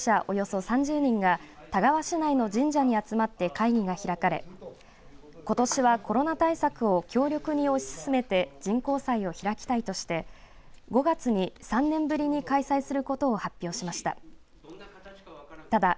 およそ３０人が田川市内の神社に集まって会議が開かれことしはコロナ対策を強力に推し進めて神幸祭を開きたいとして５月に３年ぶりに開催することを発表しました。